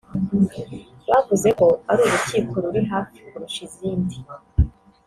bavuze ko ari urukiko ruri hafi kurusha izindi